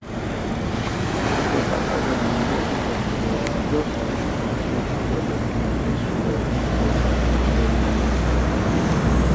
თითო კაკალო მინმოჸუნა სუმარეფი დო მჷთიოშინანა, მინი რე სუმარინი დო მუ ძღვენი მიღუნი.